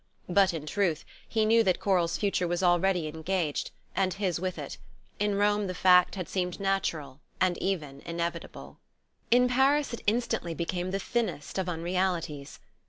But in truth he knew that Coral's future was already engaged, and his with it: in Rome the fact had seemed natural and even inevitable. In Paris, it instantly became the thinnest of unrealities.